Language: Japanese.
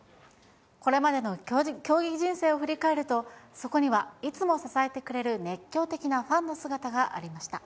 これまでの競技人生を振り返ると、そこにはいつも支えてくれる熱狂的なファンの姿がありました。